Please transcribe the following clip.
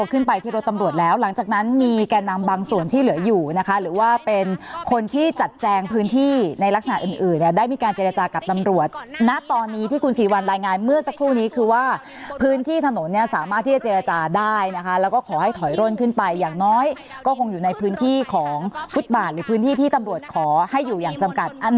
ขึ้นไปที่รถตำรวจแล้วหลังจากนั้นมีแก่นำบางส่วนที่เหลืออยู่นะคะหรือว่าเป็นคนที่จัดแจงพื้นที่ในลักษณะอื่นเนี่ยได้มีการเจรจากับตำรวจณตอนนี้ที่คุณศรีวัลรายงานเมื่อสักครู่นี้คือว่าพื้นที่ถนนเนี่ยสามารถที่จะเจรจาได้นะคะแล้วก็ขอให้ถอยร่นขึ้นไปอย่างน้อยก็คงอยู่ในพื้นที่ของฟุตบาทหรือพื้นที่ที่ตำรวจขอให้อยู่อย่างจำกัดอัน